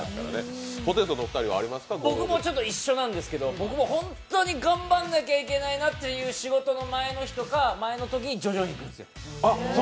僕も一緒なんですけど、僕も本当に頑張らなきゃいけないなという仕事の前の日とかに叙々苑に行くんですよ。